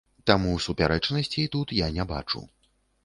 Таму супярэчнасцей тут я не бачу.